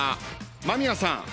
間宮さん